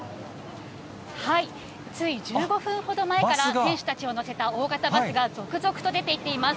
つい１５分ほど前から選手たちを乗せた大型バスが続々と出ていっています。